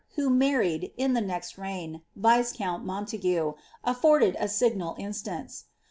who married, in llie ik>xI rei^n< viscount MonUgue, atforded a signal instance.'